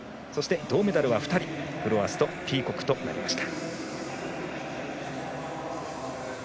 銅メダルは２人、フロアスとピーコックとなりました。